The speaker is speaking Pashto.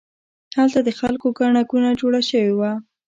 هلته د خلکو ګڼه ګوڼه جوړه شوې وه.